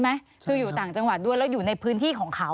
คืออยู่ต่างจังหวัดด้วยแล้วอยู่ในพื้นที่ของเขา